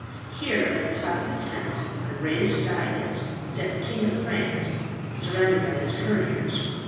Here, at the top of the tent, on a raised dais, sat the King of France, surrounded by his courtiers.